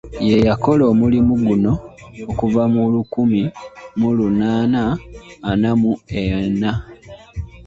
Ye yakola omulimu guno okuva mu lukumi mu lunaana ana mu ena.